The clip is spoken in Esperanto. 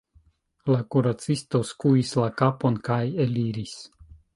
La kuracisto skuis la kapon, kaj eliris.